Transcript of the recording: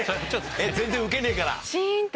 全然ウケねえから？